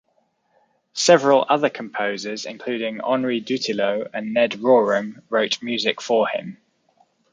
Several other composers, including Henri Dutilleux and Ned Rorem, wrote music for him.